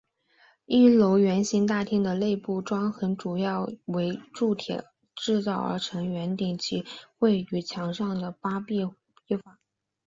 一楼圆形大厅的内部装潢主要为铸铁造成的圆顶及绘于墙上的八幅壁画。